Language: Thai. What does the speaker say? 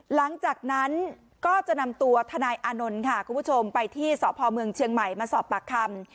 หลังจากนั้นก็จะนำตัวทนายอานนท์ค่ะคุณผู้ชมไปที่สพเมืองเชียงใหม่มาสอบปากคำ